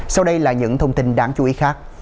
sau đây là những thông tin đáng chú ý khác